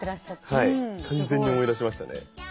はい完全に思い出しましたね。